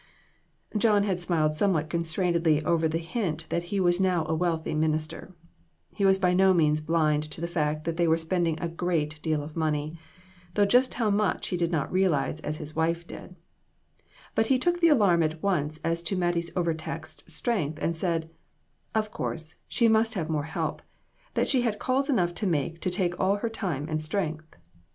John had smiled somewhat constrainedly over the hint that he was now a wealthy minister; he was by no means blind to the fact that they were spending a great deal of money, though just how much he did not realize as his wife did; but he took the alarm at once as to Mattie's overtaxed strength, and said "Of course, she must have more help ; that she had calls enough to make to take all her time and strength."